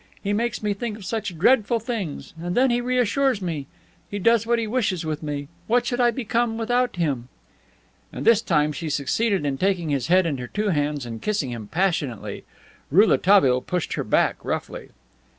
He makes me think of such dreadful things, and then he reassures me. He does what he wishes with me. What should I become without him?" And this time she succeeded in taking his head in her two hands and kissing him passionately. Rouletabille pushed her back roughly.